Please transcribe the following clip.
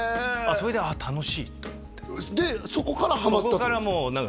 それでああ楽しいと思ってでそこからハマったって感じ？